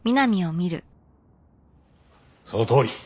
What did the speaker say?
そのとおり！